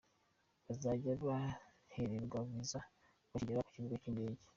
Bazajya bahererwa viza bakigera ku Kibuga cy’indege.